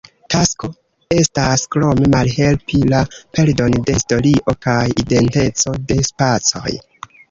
Tasko estas krome malhelpi la perdon de historio kaj identeco de spacoj.